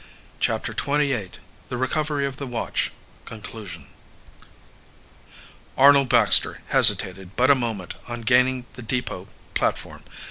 CHAPTER XXVIII THE RECOVERY OF THE WATCH CONCLUSION Arnold Baxter hesitated but a moment on gaining the depot platform.